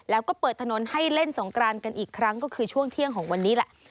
แล้วก็เปิดถนนให้เล่นสงกรานกันอีกครั้งก็คือช่วงเที่ยงของวันนี้แหละ